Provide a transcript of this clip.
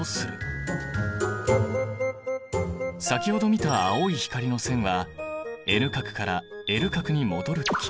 先ほど見た青い光の線はＮ殻からＬ殻に戻る時。